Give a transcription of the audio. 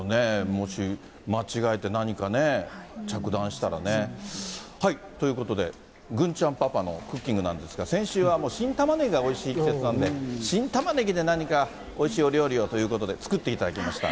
もし間違えて何かね、着弾したらね。ということで、郡ちゃんパパのクッキングなんですが、先週はもう新タマネギがおいしい季節なんで、新タマネギで何かおいしいお料理をということで、作っていただきました。